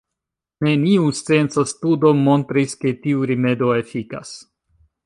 Neniu scienca studo montris ke tiu rimedo efikas.